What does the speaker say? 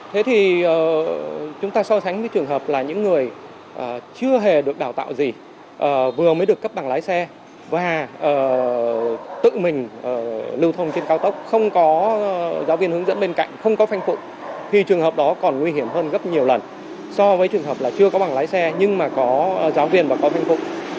thế thì chúng ta so sánh với trường hợp là những người chưa hề được đào tạo gì vừa mới được cấp bằng lái xe và tự mình lưu thông trên cao tốc không có giáo viên hướng dẫn bên cạnh không có phanh phụng thì trường hợp đó còn nguy hiểm hơn rất nhiều lần so với trường hợp là chưa có bằng lái xe nhưng mà có giáo viên và có phanh phụng